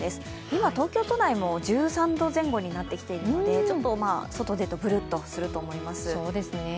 今、東京都内も１３度前後になってきているのでちょっと外に出るとブルッとすると思います。